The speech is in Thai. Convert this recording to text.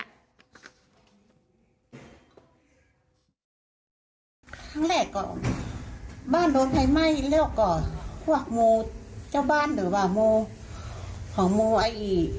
วันทั้งแรกก็บ้านโดนไฟไหม้แล้วก็ฮวักมูลเจ้าบ้านหรือบ่ามูลของมูล